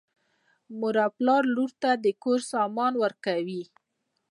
مور او پلار لور ته د کور سامان ورکوي.